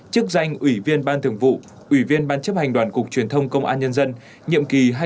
chức danh ủy viên ban thường vụ ủy viên ban chấp hành đoàn cục truyền thông công an nhân dân nhiệm kỳ hai nghìn hai mươi hai nghìn hai mươi ba